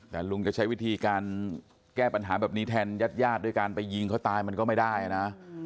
แต่ลุงจะใช้วิธีการแก้ปัญหาแบบนี้แทนญาติญาติด้วยการไปยิงเขาตายมันก็ไม่ได้นะ